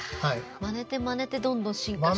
まねてまねてどんどん進化していく。